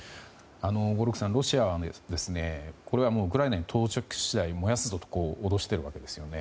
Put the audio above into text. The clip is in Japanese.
合六さん、ロシアはこれはウクライナに到着次第燃やすぞと脅しているわけですよね。